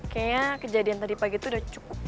kayaknya kejadian tadi pagi itu udah cukup